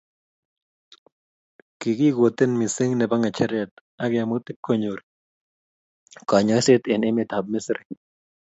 kikikoten missing nebo ngecheret akemut ibkonyor konyoiset eng emet ab misri